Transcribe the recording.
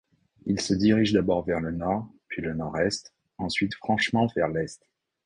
Il se dirige d'abord vers le nord, puis le nord-est, ensuite franchement vers l'est.